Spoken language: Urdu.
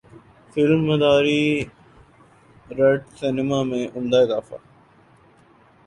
فلم مداری رٹ سینما میں عمدہ اضافہ